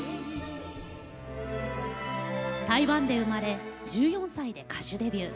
台湾で生まれ１４歳で歌手デビュー。